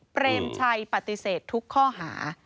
เปรมชัยปฏิเสธทุกข้อหา